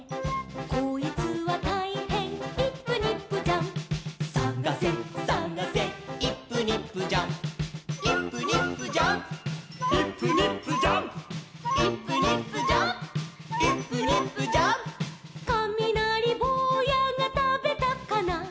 「こいつはたいへんイップニップジャンプ」「さがせさがせイップニップジャンプ」「イップニップジャンプイップニップジャンプ」「イップニップジャンプイップニップジャンプ」「かみなりぼうやがたべたかな」